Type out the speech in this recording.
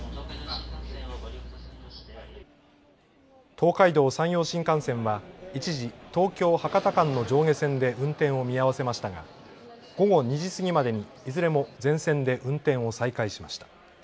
東海道、山陽新幹線は一時、東京・博多間の上下線で運転を見合わせましたが午後２時過ぎまでにいずれも全線で運転を再開しました。